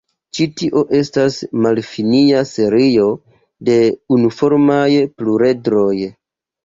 Ĉi tio estas malfinia serio de unuformaj pluredroj.